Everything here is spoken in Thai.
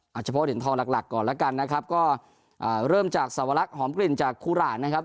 เอาเฉพาะเหรียญทองหลักหลักก่อนแล้วกันนะครับก็เริ่มจากสวรรคหอมกลิ่นจากคูหลานนะครับ